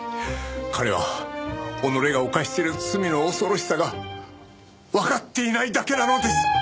彼は己が犯している罪の恐ろしさがわかっていないだけなのです。